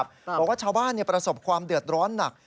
บอกว่าชาวบ้านประสบความเดือดร้อนหนัก